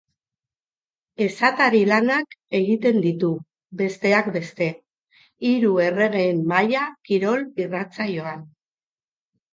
Esatari lanak egiten ditu, besteak beste, Hiru Erregeen Mahaia kirol-irratsaioan.